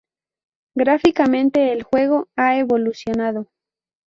Gráficamente el juego ha evolucionado.